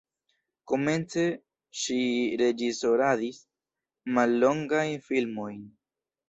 Komence ŝi reĝisoradis mallongajn filmojn.